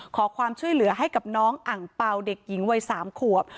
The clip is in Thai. ขอความช่วยเหลือให้กับน้องอังเปล่าเด็กหญิงวัย๓ขวบ